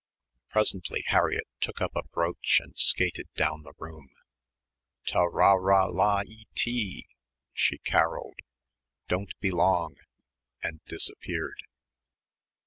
Presently Harriett took up a brooch and skated down the room, "Ta ra ra la eee tee!" she carolled, "don't be long," and disappeared.